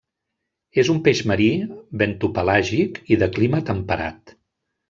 És un peix marí, bentopelàgic i de clima temperat.